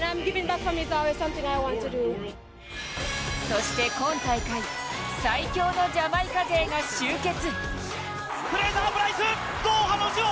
そして、今大会最強のジャマイカ勢が集結。